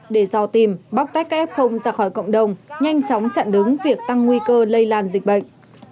để do tìm bóc test kép không ra khỏi cộng đồng nhanh chóng chặn đứng việc tăng nguy cơ lây lan dịch bệnh